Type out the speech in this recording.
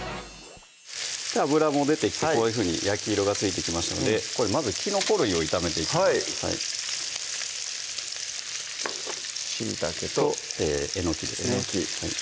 脂も出てきてこういうふうに焼き色がついてきましたのでまずきのこ類を炒めていきますはいしいたけとえのきですね